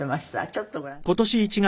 ちょっとご覧ください。